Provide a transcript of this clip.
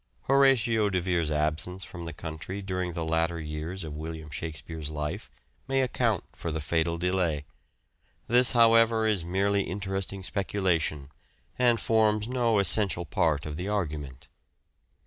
Horatio de Vere's absence from the country during the latter years of William Shakspere's life may account for the fatal delay. This, however, is merely interesting specula tion and forms no essential part of the argument.